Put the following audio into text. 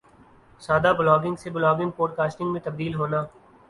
سادہ بلاگنگ سے blogging podcasting میں تبدیل ہونا